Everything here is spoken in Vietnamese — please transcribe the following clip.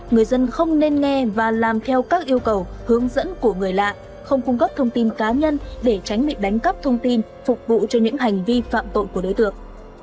người dân không nên nghe và làm theo các yêu cầu hướng dẫn của người lạ không cung cấp thông tin cá nhân để tránh bị đánh cắp thông tin phục vụ cho những hành vi phạm tội của đối tượng